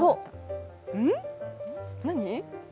何？